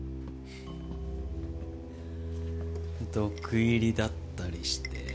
毒入りだったりして。